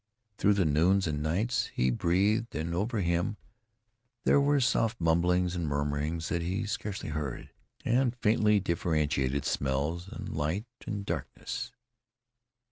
Through the noons and nights he breathed and over him there were soft mumblings and murmurings that he scarcely heard, and faintly differentiated smells, and light and darkness.